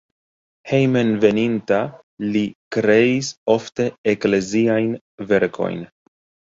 Hejmenveninta li kreis ofte ekleziajn verkojn.